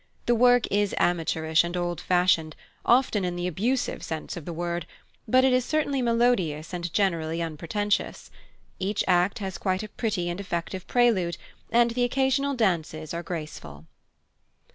The work is amateurish and old fashioned, often in the abusive sense of the word, but it is certainly melodious and generally unpretentious. Each act has quite a pretty and effective prelude, and the occasional dances are graceful.